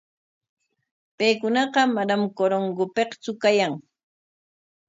Paykunaqa manam Corongopiktsu kayan.